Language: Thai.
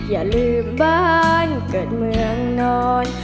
อย่าลืมบ้านเกิดเมืองนอน